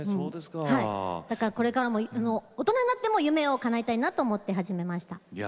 だから、大人になっても夢をかなえたいなって思って始めました。